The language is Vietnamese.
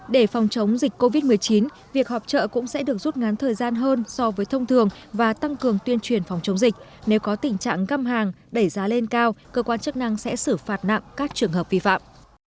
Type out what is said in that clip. để phòng chống dịch covid một mươi chín việc họp trợ cũng sẽ được rút ngắn thời gian hơn so với thông thường và tăng cường tuyên truyền phòng chống dịch nếu có tình trạng găm hàng đẩy giá lên cao cơ quan chức năng sẽ xử phạt nặng các trường hợp vi phạm